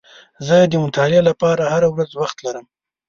زه د مطالعې لپاره هره ورځ وخت لرم.